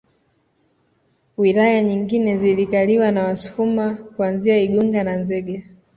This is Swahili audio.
Wilaya nyingine zikikaliwa na Wasukuma kuanzia Igunga na Nzega